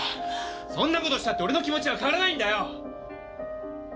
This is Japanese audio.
そんな事したって俺の気持ちは変わらないんだよ！